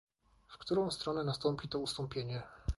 w którą stronę nastąpi to ustąpienie?